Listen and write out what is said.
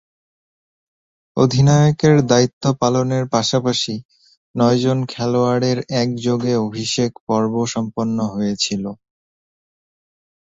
অধিনায়কের দায়িত্ব পালনের পাশাপাশি নয়জন খেলোয়াড়ের একযোগে অভিষেক পর্ব সম্পন্ন হয়েছিল।